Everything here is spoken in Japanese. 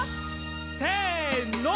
せの！